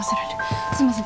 すいません